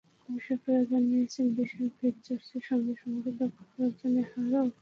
গবেষকেরা জানিয়েছেন, বিষয় ভেদে চর্চার সঙ্গে সঙ্গে দক্ষতা অর্জনের হার পরিবর্তিত হয়।